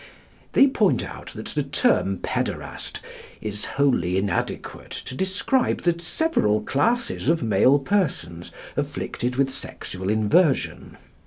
They point out that the term pæderast is wholly inadequate to describe the several classes of male persons afflicted with sexual inversion.